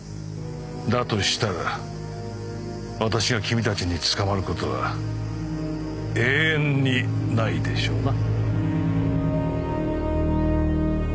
だとしたら私が君たちに捕まる事は永遠にないでしょうな。